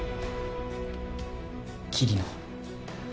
桐野。